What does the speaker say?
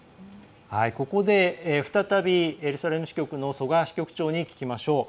ここで、再びエルサレム支局の曽我支局長に聞きましょう。